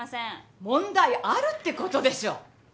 問題あるってことでしょ！